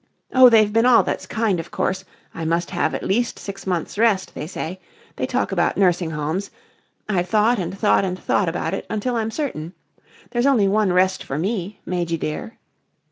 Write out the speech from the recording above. Oh, they've been all that's kind, of course I must have at least six months' rest, they say they talk about nursing homes I've thought and thought and thought about it until I'm certain. There's only one rest for me, Majy dear."